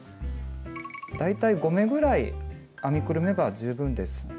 大体５目ぐらい編みくるめば十分です。